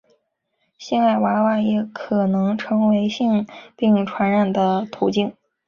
性爱娃娃也可能成为性病传染的途径。